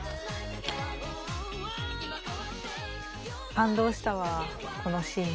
感動したわこのシーン。